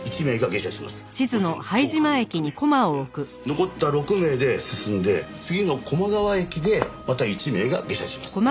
残った６名で進んで次の高麗川駅でまた１名が下車します。